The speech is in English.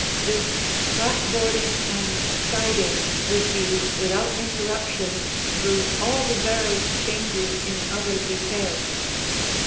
This clapboarding and siding was used without interruption through all the various changes in other details.